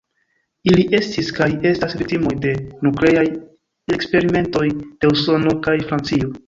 Ili estis kaj estas viktimoj de nukleaj eksperimentoj de Usono kaj Francio.